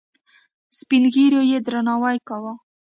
سپین ږیرو یې درناوی کاوه.